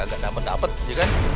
dapet dapet ya kan